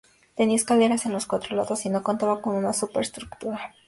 Tenía escaleras en los cuatro lados y no contaba con una superestructura.